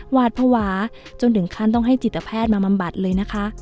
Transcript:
หวาดภาวะจนถึงขั้นต้องให้จิตแพทย์มาบำบัดเลยนะคะ